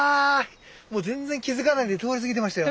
もう全然気付かないで通り過ぎてましたよ。